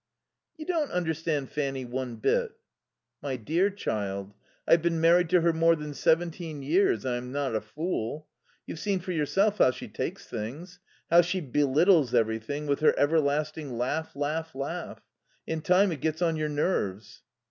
"You don't understand Fanny one bit." "My dear child, I've been married to her more than seventeen years, and I'm not a fool. You've seen for yourself how she takes things. How she belittles everything with her everlasting laugh, laugh, laugh. In time it gets on your nerves."